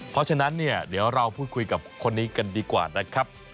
เพราะฉะนั้นเนี่ยเดี๋ยวเราพูดคุยกับคนนี้กันดีกว่านะครับ